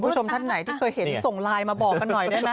ผู้ชมท่านไหนที่เห็นที่ส่งไลน์มาบอกกันหน่อย